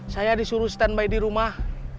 saya disuruh stand by di rumah